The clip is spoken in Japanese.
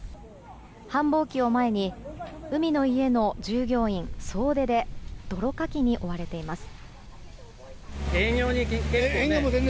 繁忙期を前に海の家の従業員総出で泥かきに追われています。